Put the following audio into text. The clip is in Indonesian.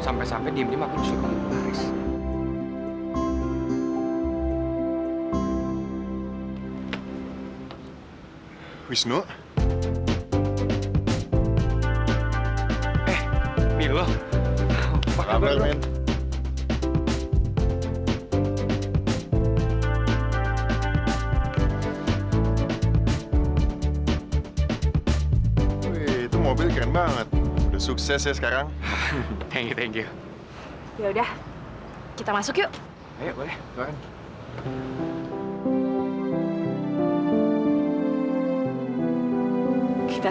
sampai jumpa di video selanjutnya